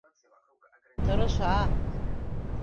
Тырыша.